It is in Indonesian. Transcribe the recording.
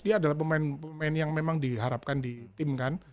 dia adalah pemain pemain yang memang diharapkan di tim kan